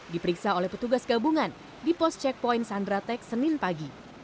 diperiksa oleh petugas gabungan di pos checkpoint sandratek senin pagi